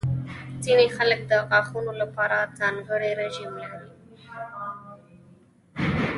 ځینې خلک د غاښونو لپاره ځانګړې رژیم لري.